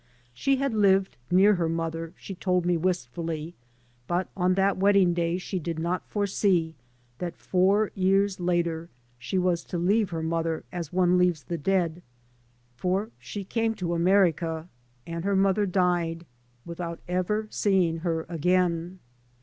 She had lived near her mother, she told me wistfully, but on that wedding day she did not foresee that four years later she was to leave her mother as one leaves the dead, for she came to America, and her mother died with D.D.t.zeabi. Google MY. MOTHER AND I out ever seeing her again.